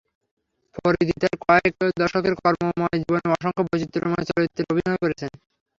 ফরীদি তাঁর কয়েক দশকের কর্মময় জীবনে অসংখ্য বৈচিত্র্যময় চরিত্রে অভিনয় করেছেন।